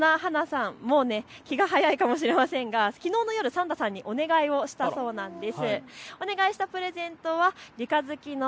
そんなはなさんも気が早いかもしれませんが、きのうの夜、サンタさんにお願いをしたそうなんです。